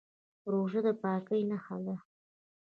روژه د پاکۍ نښه ده.